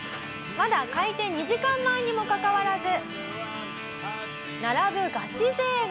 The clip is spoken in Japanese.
「まだ開店２時間前にもかかわらず並ぶガチ勢が！」